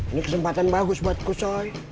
ini kesempatan bagus buat kusol